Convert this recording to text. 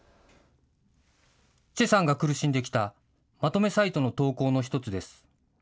崔さんが苦しんできたまとめサイトの投稿の１つです。